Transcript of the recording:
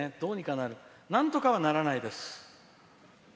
なんとかはならないです。